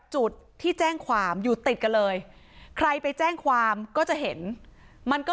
จุดที่แจ้งความอยู่ติดกันเลยใครไปแจ้งความก็จะเห็นมันก็